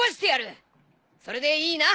それでいいな？